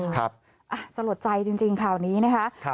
สะหรับใจจริงข่าวนี้นะครับ